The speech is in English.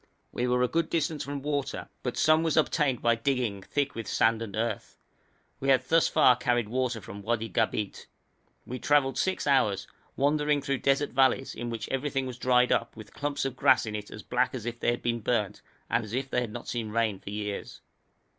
We were a good distance from water, but some was obtained by digging, thick with sand and earth. We had thus far carried water from Wadi Gabeit. We travelled six hours, wandering through desert valleys, in which everything was dried up, with clumps of grass in it as black as if they had been burnt, and as if they had not seen rain for years.